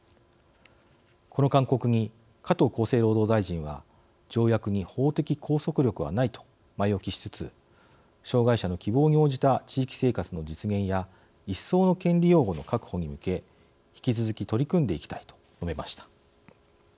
この勧告に加藤厚生労働大臣は「条約に法的拘束力はないと」と前置きしつつ「障害者の希望に応じた地域生活の実現や一層の権利擁護の確保に向け引き続き取り組んでいきたい」と述べました。